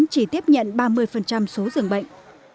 chỉ tiếp nhận ba mươi số dường bệnh